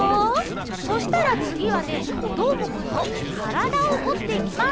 そしたらつぎはねどーもくんのからだをおっていきます。